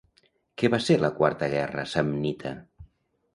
Què va ser la quarta guerra samnita?